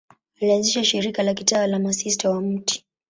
Alianzisha shirika la kitawa la Masista wa Mt.